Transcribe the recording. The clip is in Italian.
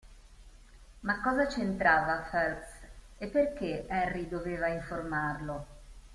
Ma cosa c'entrava Phelps e perché Harry doveva informarlo?